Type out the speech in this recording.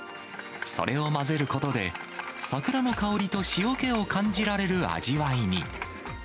それを混ぜることで、桜の香りと塩気を感じられる味わいに。